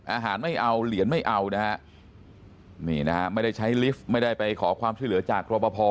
อาหารไม่เอาเหรียญไม่เอานะฮะนี่นะฮะไม่ได้ใช้ลิฟต์ไม่ได้ไปขอความช่วยเหลือจากรบพอ